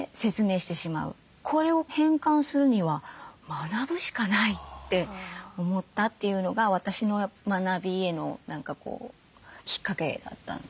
これを変換するには学ぶしかないって思ったというのが私の学びへのきっかけだったんですよね。